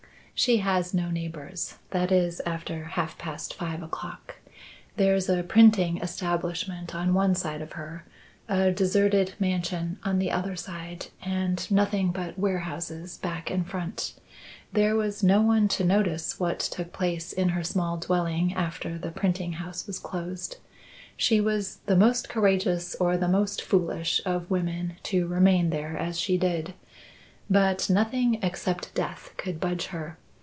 "She has no neighbours that is, after half past five o'clock. There's a printing establishment on one side of her, a deserted mansion on the other side, and nothing but warehouses back and front. There was no one to notice what took place in her small dwelling after the printing house was closed. She was the most courageous or the most foolish of women to remain there as she did. But nothing except death could budge her.